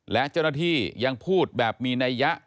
และเจ้าหน้าที่ยังพูดแบบมีนัยยะ